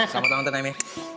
selamat tahun tani